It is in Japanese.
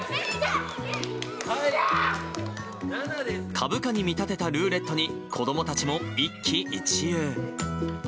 株価に見立てたルーレットに、子どもたちも一喜一憂。